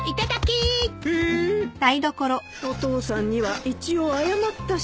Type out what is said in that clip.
お父さんには一応謝ったし。